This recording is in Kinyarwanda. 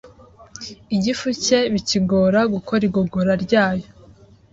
Igifu cye bikigora gukora igogora ryayo,